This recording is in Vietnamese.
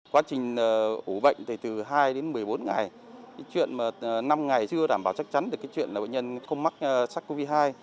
quá trình ủ bệnh từ hai đến một mươi bốn ngày chuyện năm ngày chưa đảm bảo chắc chắn là bệnh nhân không mắc sars cov hai